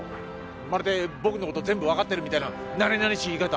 まるで僕の事全部わかってるみたいな馴れ馴れしい言い方！